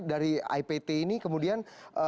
dari ipt ini kemudian